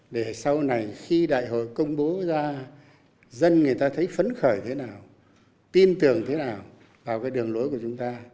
để sau này khi đại hội công bố ra dân người ta thấy phấn khởi thế nào tin tưởng thế nào vào cái đường lối của chúng ta